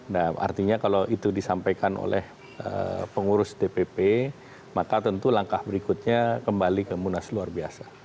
nah artinya kalau itu disampaikan oleh pengurus dpp maka tentu langkah berikutnya kembali ke munas luar biasa